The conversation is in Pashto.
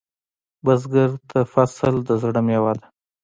بزګر ته فصل د زړۀ میوه ده